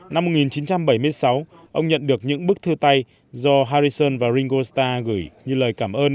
năm hai nghìn sáu ông nhận được những bức thư tay do harrison và ringo starr gửi như lời cảm ơn